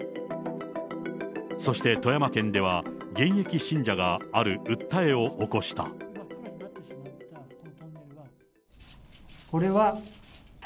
そして富山県では、現役信者がある訴えを起こした。